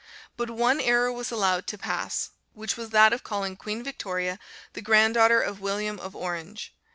But one error was allowed to pass, which was that of calling Queen Victoria the grand daughter of William of Orange.